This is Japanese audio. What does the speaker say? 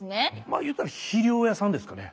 まあ言うたら肥料屋さんですかね。